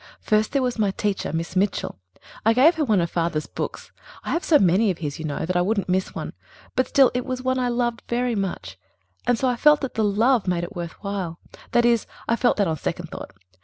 "First, there was my teacher, Miss Mitchell. I gave her one of father's books. I have so many of his, you know, so that I wouldn't miss one; but still it was one I loved very much, and so I felt that that love made it worth while. That is, I felt that on second thought.